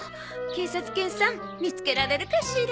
警察犬さん見つけられるかしら？